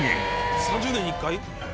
３０年に１回？